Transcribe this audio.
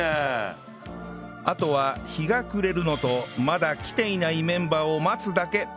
あとは日が暮れるのとまだ来ていないメンバーを待つだけ